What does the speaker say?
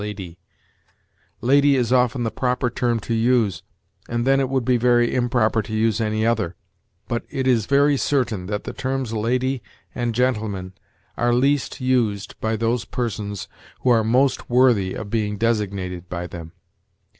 Lady is often the proper term to use, and then it would be very improper to use any other; but it is very certain that the terms lady and gentleman are least used by those persons who are most worthy of being designated by them.